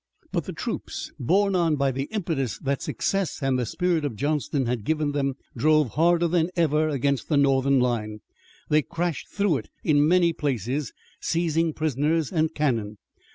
But the troops, borne on by the impetus that success and the spirit of Johnston had given them, drove harder than ever against the Northern line. They crashed through it in many places, seizing prisoners and cannon.